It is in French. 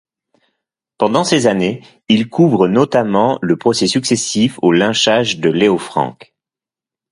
Pendant ces années, il couvre notamment le procès successif au lynchage de Leo Frank.